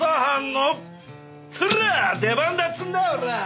出番だっつうんだおらあ！